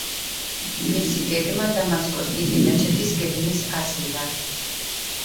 მისი გეგმა დამასკოს დიდი მეჩეთის გეგმის ასლია.